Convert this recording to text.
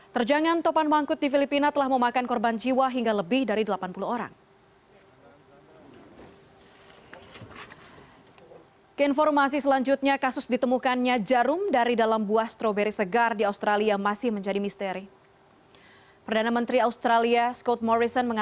terjangan topan mangkut di filipina telah memakan korban jiwa hingga lebih dari delapan puluh orang